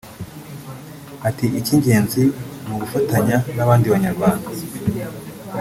Ati “Icy’ingenzi ni ugufatanya n’abandi banyarwanda